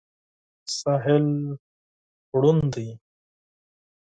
ساحل ړوند دی.